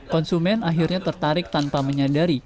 konsumen akhirnya tertarik tanpa menyadari